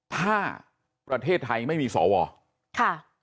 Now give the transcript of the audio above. ถ้าประเทศไทยไม่มีสวค่ะ